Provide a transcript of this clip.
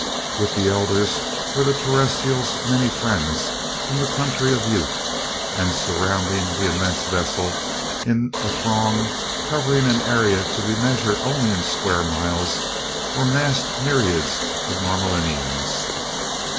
With the elders were the Terrestrials' many friends from the Country of Youth, and surrounding the immense vessel in a throng covering an area to be measured only in square miles were massed myriads of Norlaminians.